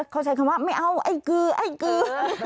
เขาใช้คำว่าไม่เอาไอ้กือไอ้กือ